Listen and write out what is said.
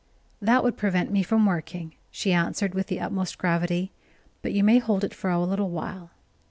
"That would prevent me from working," she answered, with the utmost gravity. "But you may hold it for a little while."